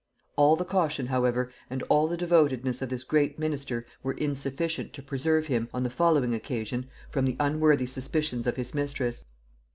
All the caution, however, and all the devotedness of this great minister were insufficient to preserve him, on the following occasion, from the unworthy suspicions of his mistress.